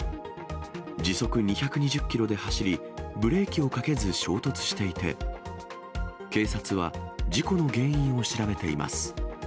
時速２２０キロで走り、ブレーキをかけず衝突していて、警察は事故の原因を調べています。